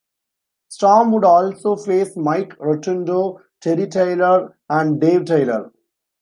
Storm would also face Mike Rotundo, Terry Taylor, and Dave Taylor.